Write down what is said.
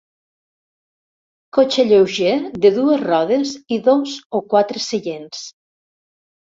Cotxe lleuger de dues rodes i dos o quatre seients.